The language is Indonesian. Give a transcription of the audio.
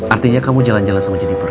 artinya kamu jalan jalan sama jadipur